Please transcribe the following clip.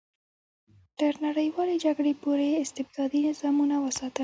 تر نړیوالې جګړې پورې استبدادي نظامونه وساتل.